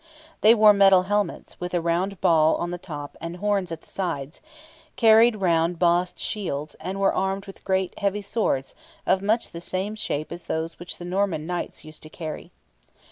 They wore metal helmets, with a round ball on the top and horns at the sides, carried round bossed shields, and were armed with great heavy swords of much the same shape as those which the Norman knights used to carry.